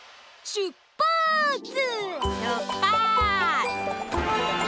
しゅっぱつ！